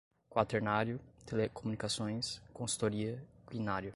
quaternário, telecomunicações, consultoria, quinário